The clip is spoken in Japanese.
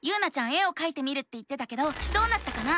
絵をかいてみるって言ってたけどどうなったかな？